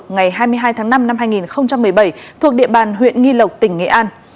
ngày hai mươi hai tháng năm năm hai nghìn một mươi bảy thuộc địa bàn huyện nghi lộc tỉnh nghệ an